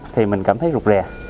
thì mình cảm thấy rụt rè